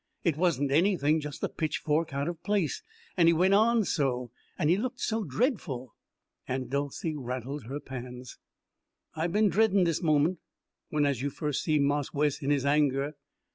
It wasn't anything, just a pitchfork out of place. And he went on so. And he looked so dreadful." Aunt Dolcey rattled her pans. "I been dreadin' dis moment, whenas you firs' see Marse Wes in his anger.